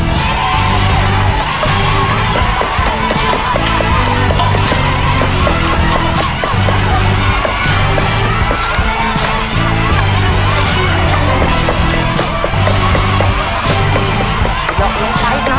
อย่าหยกอย่างใกล้นะ